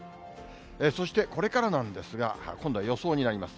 そしてこれからなんですが、今度は予想になります。